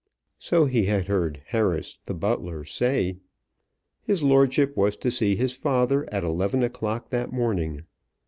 So he had heard Harris, the butler, say. His lordship was to see his father at eleven o'clock that morning.